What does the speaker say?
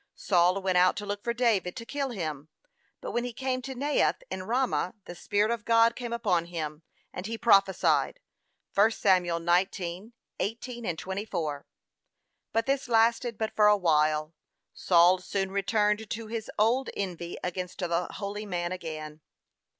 Saul went out to look for David to kill him, but when he came at Naioth, in Ramah, the Spirit of God came upon him, and he prophesied. (1 Sam. 19:18, 24) But this lasted but for a while. Saul soon returned to his old envy against the holy man again.